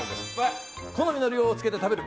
好みの量をつけて食べる。